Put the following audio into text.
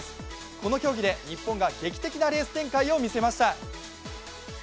この競技で日本が劇的なレース展開を見せました。